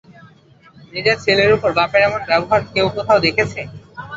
নিজের ছেলের উপর বাপের এমন ব্যবহার কেউ কোথাও দেখেছে?